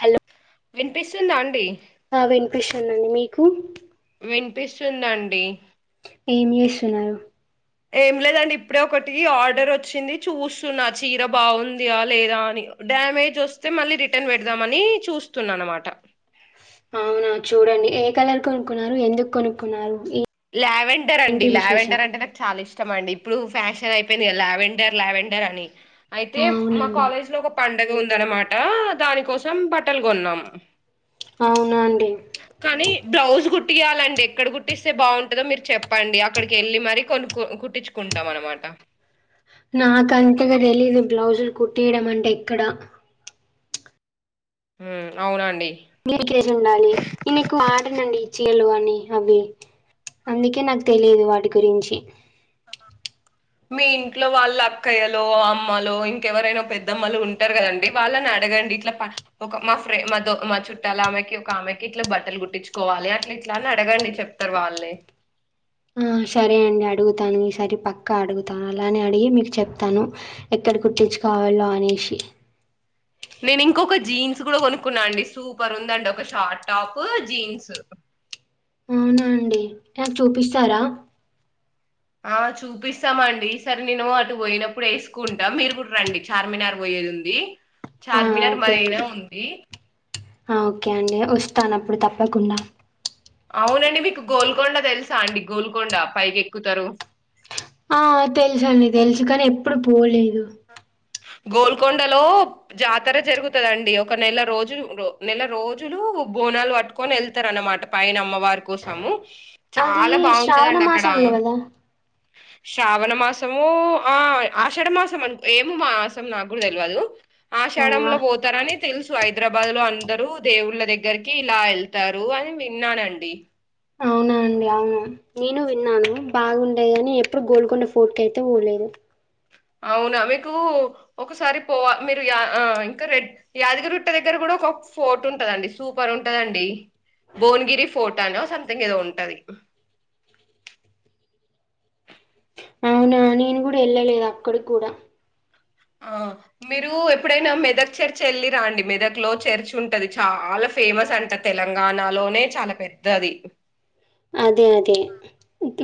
Hello వినిపిస్తుందా అండి అ వినిపిస్తందండీ మీకు వినిపిస్తుందండి ఏం చేస్తున్నారు ఏం లేదండి ఇప్పుడే ఒకటి ఆర్డర్ వచ్చింది చూస్తున్నా చీర బాగుందియ లేదా అని డ్యామేజ్ వస్తే మళ్ళీ రిటర్న్ పెడదామని చూస్తున్నా అనమాట అవున చూడండి. ఏ కలర్ కొనుక్కున్నారు. ఎందుకు కొనుక్కున్నారు. లావెండర్ అండి ఏంటి విశేషం లావెండర్ అంటే నాకు చాలా ఇష్టం. అండి ఇప్పుడు. ఫ్యాషన్ అయిపోయింది క లావెండర్ లావెండర్ అని. అయితే మ అవునండి కాలేజ్ లొ ఒక పట్ అది ఉందనమాట దాని కోసం బట్టలు గోన్నాం. అవునా అండి కాని బ్లౌజ్ గుట్ కుట్టియాలండి. ఎక్కడ గుట్టిస్. స్తే బాగుంటందో మీరు చెప్పండి. అక్కడికి ఎళ్ళి మరీ కొనుకో కుట్టించుకుంటాం అనమాట. నాకంతగా తెలీదు బ్లౌజులు కుట్టియడం అంటే ఎక్కడ. ఉహ్మ్ అవునండి. మీకేజ్ ఉండాలి ఇకు అడనండి.. చేర్లు అని అవి అందుకే నాకు తెలిదు వాటి గురించి. మీ ఇంట్లో వాళ్ళ అక్కయ్యలు, అమ్మలు ఇంకెవరైనా పెద్దమ్మలు ఉంటారు కదండి. వాళ్ళని అడగండి ఇట్లా ఒక మా ఫ్రె మా దో మా చుట్టాల్ ఆమెకి ఒక ఆమెకి ఇట్లా బట్టలు గుట్టించుకోవాలి అట్లా ఇట్లా అని అడగండి చెప్తారు వాళ్లే. అహ్ సరే అండి అడుగుతాను. ఈ సరి పక్కా అడుగుతాను అలానే అడిగి మీకు చెప్తాను ఎక్కడ కుట్టిచుకోవాలో అనేసి. నేను ఇంకొక జీన్స్ కూడా కొనుక్కున్నా అండి సూపర్ ఉందండి. ఒక షార్ట్ టాపు జీన్స్. అవునండీ నాక్ చూపిస్తారా. అహ్ చూపిస్తామండి. ఈ సరి నేను అటు పోయినప్పుడు ఎసుకుంటా మీరు కూడా రండి చార్మినార్ పోయేది ఉంది. చార్మినార్ మైరా ఉంది. అహ్ ఒకే అండి ఒస్తాను అప్పుడు తప్పకుండా. అవునండి మీకు గోల్కొండ తెలుసా అండి గుల్కొండ పైకి ఎక్కుతారు. అహ్ తెల్సు అండి తెలుసు కాని ఎప్పుడు పోలేదు. గోల్కొండలో జాతర జరుగుతదండి. ఒక నెల రోజులు నెల రోజులు బోనాలు బట్టుకొని వెళ్తారనమాట పైన అమ్మవారి కోసము. అది చాలా శ్రావణ బాగుంటదండి అక్కడ. మాసంలో గదా! శ్రావణ మాసము ఆ ఆషాఢ మాసం ఏం మాసం నాకు కూడా తెలవదు. ఆ! ఆషాఢం లో పోతారని. తెల్సు హైదరాబాద్ లో అందరూ దేవుళ్ళ దగ్గరకి ఇలా ఎళ్తారు అని విన్నానండి. అవునానండి అవును నేను విన్నాను బాగుండేగాని ఎప్పుడు గోల్కొండ ఫోర్ట్ కైతే పోలేదు. అవునా మీకు ఒకసారి పోవా మీరు యా ఇంకా రెడ్ యాదగిరి గుట్ట దగ్గర కూడా ఒక ఫోర్ట్ ఉంటదండి సూపర్ ఉంటదండి. భోవన్ గిరి ఫోర్ట్ అనో సమ్ థింగ్ ఎదో ఉంటది. అవునా నేను కూడా వెళ్ళలే అక్కడికి కూడా అహ్ మీరు ఎప్పుడైనా మెదక్ చర్చ్ యేళ్ళిరా అండి మెదక్ లో చర్చ్ ఉంటది చాలా ఫేమస్ అంట తెలంగాణలోనే చాలా పెద్దది. అదే అదే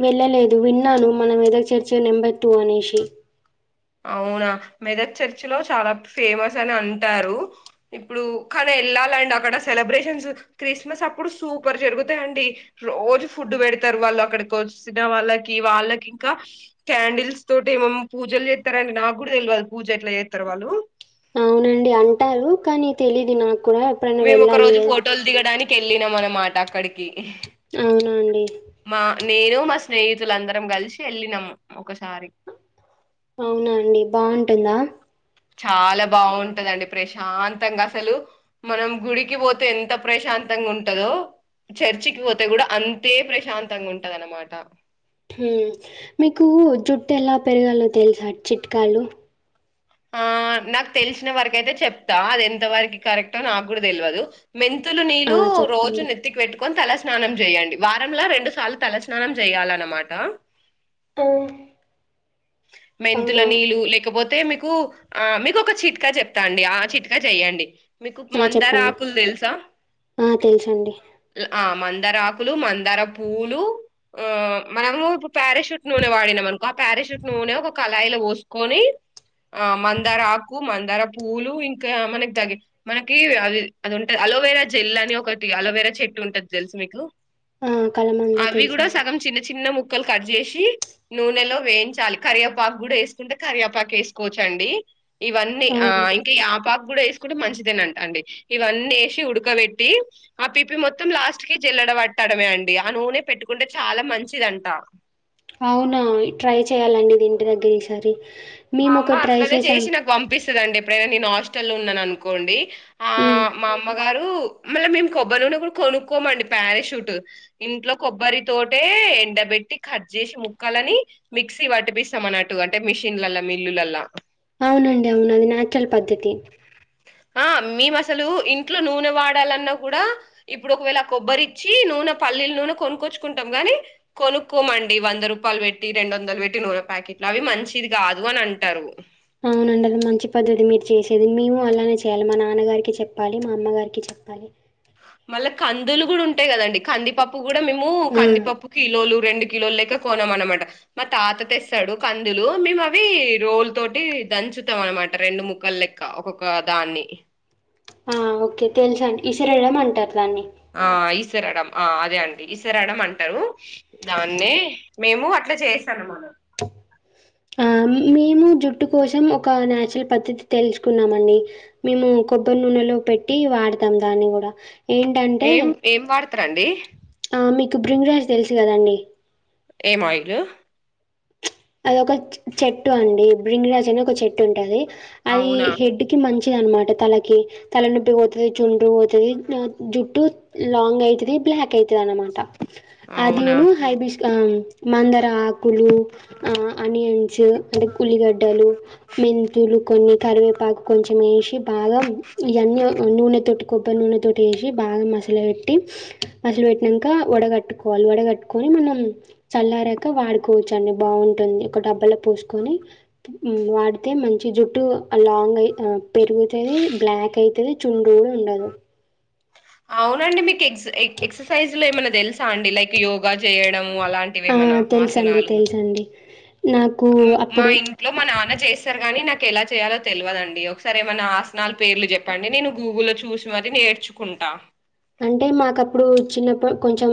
వెళ్ళలేదు విన్నాను మన ఎదో చర్చ నెంబర్ టూ అనేషి. అవునా మెదక్ చర్చ్ లో చాలా ఫేమస్ అని అంటారు. ఇప్పుడు కాని ఎళ్ళాలండి అక్కడ సెలబ్రేషన్స్ క్రిస్మస్ అప్పుడు సూపర్ జరుగుతాయిండి. రోజు ఫుడ్ బేడతారు వాళ్ళు అక్కడికి వచ్చిన వాళ్ళకి వాళ్ళకి ఇంకా క్యాండిల్స్ తోటి ఏమేం పూజలు చేస్ స్తారండి నాకు కూడా తెల్వద్ పూజ ఎట్లా జెతరో వాళ్ళు. అవునండి అంటారు కాని తెలిదు నాక్ కూడ ఎప్పుడైనా వెళ్ళాలి. వేల్ కెళ్ళిన మన మాట అక్కడిక్ అవున అండి. మా నేను మా స్నేహితులందరం కలిసి వెళ్ళినం ఒకసారి అవునా అండి బాగుంటుందా. చాలా బాగుంటదండి. ప్రశాంతంగా అసలు మనం గుడికి పోతే ఎంత ప్రశాంతంగా ఉంటదో చర్చికి పోతే కూడా అంతే ప్రశాంతంగా ఉంటదనమాట. మీకు జుట్టు ఎలా పెరగాలో తెలుసా చిట్కాలు. ఆ నాకు తెలిసిన వరక అయితే చెప్తా అది ఎంత వరకు కరెక్టో నాకు కూడా ఇప్పుడు మెంతులు ఆ! నీళ్ళలు రోజు చెప్పండి. నెత్తికి పెట్టుకొని తల స్నానం చెయ్యడి వారంలా రెండు సార్లు తలస్నానం చేయాలన్నమాట అ మెంతుల నీళ్ళు లేకపోతే తే మీకు ఆ మీకు ఒక చిట్కా చెప్తా అండి ఆ చిట్కా చెయ్య అండీ మీ ఆ! మందారా చెప్పండి. అకల్ టెలుసా ఆ! తెలుసండి. మందార ఆకులు మందార పువులు ఆ మనము ఇప్పుడు పారాషూట్ నూనె వాడినా అనుకో ఆ పారాషూట్ నూనె ఒక కళాయిలో పోసుకొని ఆ మందార ఆకు మందార పూలు ఇంకా మనకి దగ మనకి అది అది ఉంటది అలోవేరా జెల్ అని ఒకటి అలోవేరా చెట్టు ఉంటది తెల్సు మీకు ఆ కలమందా అవి కూడా తెలుసండి సగం చిన్న చిన్న ముక్కలు కట్ చేసి నూనెలో వేయించాలి కరియాపాకు కూడా వేసుకుంటే కరియాపాకు వేసుకోవచ్చండి ఇవన్నీ ఆ ఇంకా ఈ ఆపా కుడా వేసుకుంటే మంచిదేనంట అండి ఇవన్నీ వేసి ఉడకబెట్టి ఆ పిప్ప మొత్తం లాస్ట్ కి జల్లడ పట్టడమే అండి ఆ నూనె పెట్టుకుంటే చాలా మంచిదంట అవునా? ట్రై చేయాలండి ఇంటి దగారా ఇ సారి మా అమ్మ అట్లాదే చేసి నాకు పంపిస్తంది స్తుద అండి ఎప్పుడైనా నేను హాస్టల్లో లో ఉన్నాను అనుకోండి ఆ హ్మ్. మామ్మ గారు మళ్ళీ మేము కొబ్బరి నుడి కూడా కొనుక్కోమండి పారాషూట్ ఇంట్లో కొబ్బరి తట ఎండబట్టి కట్ చేసి ముక్కాలని మిక్సీ పట్టిపిస్తాం అన్నటు అంటే మిషన్లలో మిల్లులలా అవునండి అవునండి న్యాచురల్ పద్ధతి ఆ మేము అసలు ఇంట్లో నూనె వాడాలన్నా కూడా ఇప్పుడు ఒకవేళ కొబ్బరిచ్చి నూనె పల్లీల నూనె కొనుక్కొచ్చుకుంటాం గాని కొనుక్కోమండి వంద రూపాయలు పెట్టి రెండు వందలు పెట్టి నూనె ప్యాకెట్లు అవి మంచిది కాదు అని అంటారు అవునండి అది మంచి పద్ధతి మీరు చేసేది మేము అలానే చేయాలి మా నాన్నగారికి చెప్పాలి మా అమ్మగారికి చెప్పాలి మళ్ళా కందులు కూడా ఉంటాయి కదండి కందిపప్పు కూడా మేము ఆ! కందిపప్పు కిలోలు రెండు కిలోలు లెక్క కొనం అనమాట మా తాత తెస్తాడు కందులు మేము అవి రోల్ తోటి దంచుతాం అనమాట రెండు ముక్కలు లెక్క ఒక్కొక్క దాన్ని ఆ ఓకే తెలుస అండి ఇసరెళ్ళ అంటారు దాన్ని ఆ ఈసరాడం ఆ అదే అండి ఈసరాడం అంటారు దాన్నే మేము అట్లా చేసాను మన ఆ మేము జుట్టు కోసం ఒక నాచురల్ పద్ధతి తెలుసుుకున్నామ అండి మేము కొబ్బరి నూనెలో పెట్టి వాడతాం దాన్ని కూడా ఏం ఏం వాడతారంండి ఇ బ్రింగ్ రాజ్ తెలుసు కదండి ఏం ఆయిలు అది ఒక చెట్టు అండి బ్రింగ్ రాజ్ అని ఒక చెట్టు ఉంటది అది అవునా హెడ్కి మంచి వచ్చదినమాట తలకి తలనొప్పికి పోతుంది జుండ్ర పోతుంది జుట్టు లాంగ్ అవుతుంది బ్లాక్ అవుతుంది అనమాట అవునా అదివును హైబిష్ ఆ మందర ఆకులు ఆనియన్స్ అంటే ఉల్లిగడ్డలు మెంతులు కొన్ని కరివేపాకు కొంచెం వేసి బాగా ఇవన్నీ నూనె తొటి కొబ్బరి నూనె తొటిటు వేసి బాగా మసాల పెట్టి మసలు పెట్టిక వడగట్టుకోవాలి వడగట్టుకొని మనం చల్లారాక వాడుకోవచ్చు అండి బాగుంటుంది ఒక డబ్బాలో పోసుకొని వాడితే మంచి జుట్టు లాంగ్ పెరుగుతుది బ్లాక్ అయితది చుండడు కూడా ఉండదు అవునండి మీకు ఎక్స్ ఎక్స ఎక్ససైజ్ లో ఏమన తెలుస అండి లైక్ యోగా చేయడం అలాంటివి ఆ తెలుసండి తెలుసండి నాకు మ మా అప్పుడు ఇంట్లో మా నాన్న చేస్తారు గాని నాకు ఎలా చేయాలో తెలివదండి. ఒకసారి ఏమైనా ఆసనలు పేర్లు చెప్పండి నేను గూగుల్లో చూసి మరి నేర్చుకుంటా. అంటే మాకుప్పుడు చిన్నప్పుడు కొంచెం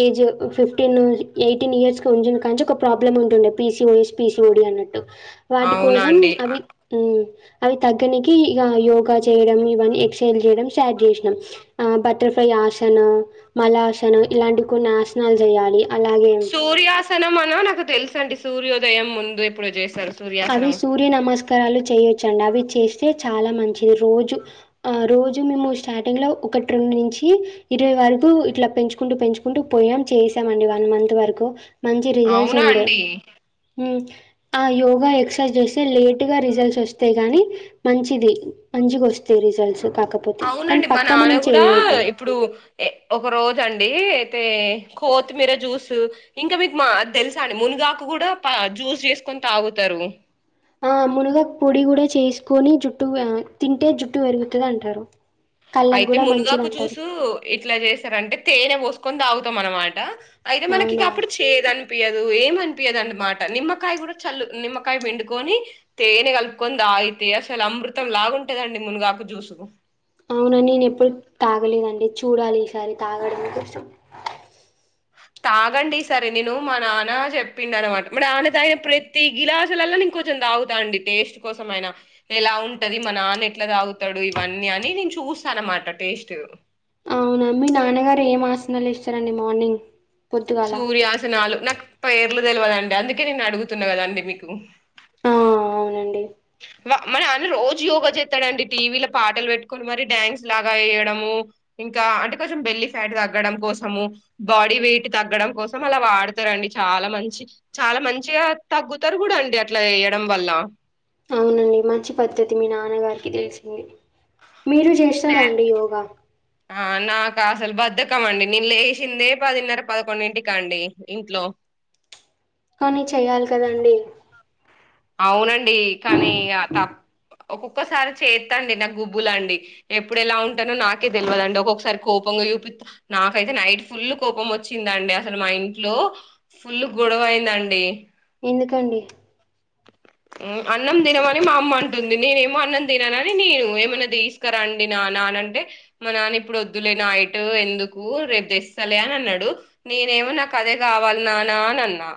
ఏజ్ ఫిఫ్టీన్ ఎయిటీన్ ఇయర్స్ కొంచం కనుచి ఒక ప్రాబ్లమ్ ఉంటుండే పిసి ఓసి పిసి ఓడి అని చెప్పి వాటి అవునా కోసం అండి అవి హు అవి తగ్గనికి ఇక యోగా చేయడం ఇవన్నీ ఎక్సర్సైజ్ చేయడం స్టార్ట్ చేసినాం ఆ బటర్ఫ్లై హసనం మల హసనం ఇలాంటి కొన్ని హసనాలు చేయాలి అలాగే హసనం నాకు తెలుసు అండి సూర్యోదయం ముందు ఎప్పుడో చేశారు అవి సూర్య నమస్క కరాలు చేయొచ్చు మంచి రిజల్ట్స్ అవునా ఉండే అండి హుమ్ ఆయో ఎక్సర్సైజ్ చేస్తే లేట్ గా రిజల్ట్స్ వస్తాయి కానీ మంచిది మంచి వస్త అవునండి మా నాన్న మనం కూడా చేంజ్ అయితాం. ఇప్పుడు ఏ ఒక రోజ అండి అయితే కొత్తిమీర జ్యూస్ ఇంకా మీకు మా తెలుసా అండి మునుగాకు కూడా ప జ్యూస్ చేసుకొని తాగుతారు ఆ మునుగా పొడి కూడా చేసుకొని జుట్టు తింటే జుట్టు పెరుగుతుంది అంటారు అయితే మునుగాకు జ్యూస్ ఇట్లా చేస్తారంటే తేనె పోసుకొని తాగుత త మనమాట అయితే మనకి ఇక అవునా? అప్పుడు చేదు అనిపయదు ఏమనిపియదండి మాట నిమ్మకాయ కూడా చల్లు నిమ్మకాయ వండుకొని తేనె కలుపుకొని తాగితే అసలు అమృతం లాగుంటేదండి మునుగాక జూసు అవునా నేను ఎప్పుడు తాగలేదండి. చూడాలి ఈసారి తాగడాని కోసం తాగండి సరే నేను మా నాన్న చెప్పిండ అనమాట మరి నాన్న తాగిన ప్రతి గ్లాసులలో జ్యూస్ నేను కొంచెం తాగుతానండి టేస్ట్ కోసంమయినా ఎలా ఉంటది. మా నాన్న ఎట్లా తాగుతాడు ఇవన్నీ అని నేను చూసా అన్నమాట టేస్ట్ అవునా మీ నాన్నగారు ఏం ఆసనాలు ఇస్తారండి మార్నింగ్ పొద్దుగాల సూర్యాసనాలు నాకు పేరు తెలివదండి అందుకే నేను అడుగుతున్నా కదండి మీకు ఆ అవునండి మ మా నాన్న రోజు యోగా చేస్తాండి. టీవీలో పాటలు పెట్టుకొని మరి డ్యాన్స్ లాగా వేయడము. ఇంకా అంటే కొంచెం బెల్లి ఫ్యాట్ తగ్గడం కోసము. బాడీ వెయిట్ తగ్గడం కోసం అలా వాడతారండి. అవునండి మంచి పద్ధతి మీ నాన్న నాన్నగారికి తెలిసింది. మీరు నే చేస్తారాండి యోగా ఆ నాకు అసలు బధకం అండి నేను లేసిందే పదిన్నర పదకొండింటికా అండి ఇంట్లో కానీ చెయ్యాలి కదండి అవునండి ఇ కానీ ఆత ఒక్కొక్కసారి చేత్తండి నా గుబులండి అండి ఎప్పుడు ఎలా ఉంటానో నాకే తెలియదుండి ఒక్కొక్కసారి కోపంగా యూపి నాకైతే నైట్ ఫుల్ కోపం ఒచ్చిందండి అసలు మా ఇంట్లో ఫుల్ గొడవ అయిందండి ఎందుకండి అన్నం దినమని మా అమ్మ అంటుంది నేనేమో అన్నం తిననని నేను ఏమన్నా తీసుకురండి నాన్న అని అంటే మా నాన్న ఇప్పుడు వద్దులే నా ఇట్ ఎందుకు రేపు తెస్తాల అని అన్నాడు నేనేమో నాకు అదే గావాలి నానా అని అన్నా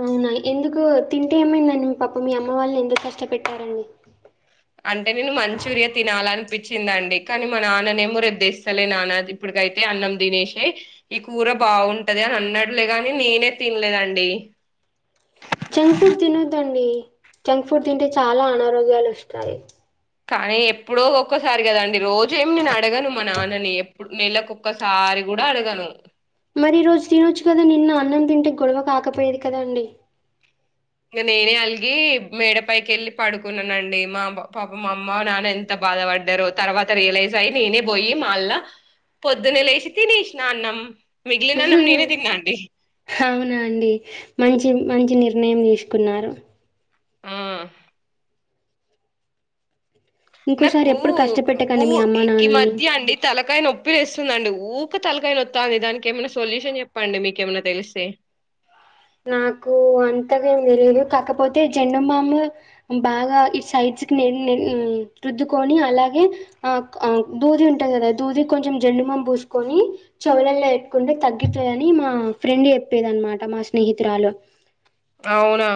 అవునా ఎందుకు తింటే ఏమైందండి మీ పాప మీ అమ్మ వాళ్ళని ఎందు కష్ట పెట్టారండి అంటే నేను మంచూరియా తినాల అనిపిచిందండి కానీ మా నాన్ననేమో రెద్దస్తలే నాన్న ఇప్పటికైతే అన్నం దినేశెయ్ ఈ కూర బాగుంటది అని అన్నాట్లే గాని నేనే తినలేదండి జంక్ ఫుడ్ తినొద్దండి జంక్ ఫుడ్ తింటే చాలా అనారోగ్యాలు ఒస్తాయి కానీ ఎప్పుడో ఒక్కోసారి కదండి రోజు ఏమి నే అ అడగను మ నానని ఎ ఇప్పుడు నెలలకొక్కసారి గుడ అడగను మరి ఈ రోజు తినొచ్చు కదండి నిన్న అన్నం తింటే గొడవ కాకపోయేది కదండి ఇంక నేనే అల్గి మేడపైకి ఎళ్ళి పడుకున్ననండి మా పాప మా అమ్మ నాన్న ఎంత బాధ పడ్డారో తర్వాత రియలైజ్ అయ్యి నేనే పోయి మళ్ళ పొద్దున్న లేచి తినేశ్ న అన్నం మిగిలిన అన్నం నేనే తిన్నా అండి హవునా అండి మంచి మంచి నిర్ణయం తీసుకున్నారు ఆ ఇంకోసారి నాకు ఎప్పుడు ఊ కష్టపెట్టకండి మీ అమ్మ ఈ నాన్నల్ని. మధ్య అండి తలకాయ నొప్పి లేస్తుందండి ఊకె తలకాయి నొత్తాంది దానికి ఏమైనా సొల్యూషన్ యెప్పండి మీకేమన్నా తెలిసే నాకు అంతగా ఏం తెలియదు కాకపోతే జండుం బామ్ బాగా ఈ సైడ్స్కి రుద్దుకొని అలాగే ఆ దూది ఉంటంది కదా దూది కొంచెం జండు మామ్ పూసుకొని చెవులల్లో పెట్టుకుంటే తగ్గుతుందిని మా ఫ్రెండ్ చెప్పేది అనమాట మా స్నేహితురాలు అవునా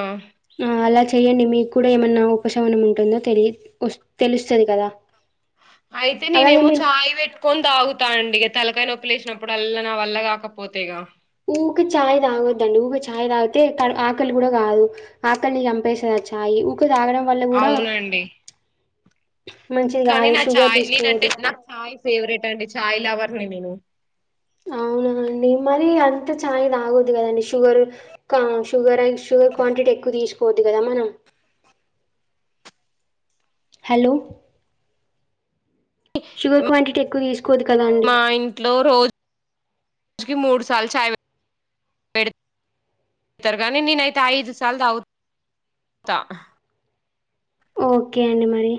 చెయ్యండి మీక్ కూడా ఏమన్నా ఉపశమనం ఉంటుందో తెలి తెలుస్తది కదా అయితే అలాగే ననేేమో మీరు చాయ్ వెట్కొన్ దాగుతా అండి తలకాయ నొప్పి లేశ్నప్పుడల్ల నా వల్ల కాకపోతేగా ఊక చాయ్ తాగొద్దండి ఊరి చాయ్ తాగితే క ఆకలి కూడా గాదు ఆకలిని చంపేస్తది ఛాయ్ ఊ తాగడం వల్ల గూడ అవునండి కానీ నా చఛాయ్ నేనంటే నాకు చఛాయ్ ఫేవరెట్ అండి చాయ్ లవర్ నేను అవునాండి మరి అంత చాయ్ తాగద్ కదండి షుగర్ షుగర్ షుగర్ క్వాంటిటీ ఎక్కువ తీసుకోవద్దు కదా మనం హలో షుగర్ క్వాంటిటీ ఎక్కువ తీసు మా ఇంట్లో రోజు జుకి మూడు సార్లు చాయ్ పెతారు కానీ నేనైతే ఐదు సార్లు తాగు త ఓకే అండి మరి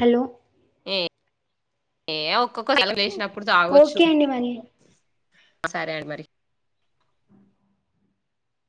హలో ఏ ఏ ఓకే ఒక్కొక్క సెలం వేసినప్పుడు తాగచ్చు ఓకే అండి మరి సరే అండి మరి